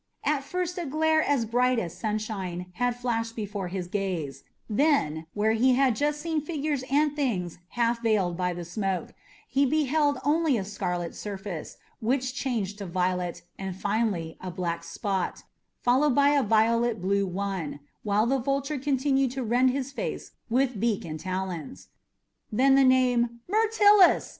At first a glare as bright as sunshine had flashed before his gaze; then, where he had just seen figures and things half veiled by the smoke, he beheld only a scarlet surface, which changed to a violet, and finally a black spot, followed by a violet blue one, while the vulture continued to rend his face with beak and talons. Then the name "Myrtilus!"